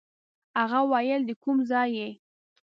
هغه ویل د کوم ځای یې.